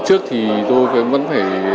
trước thì tôi vẫn phải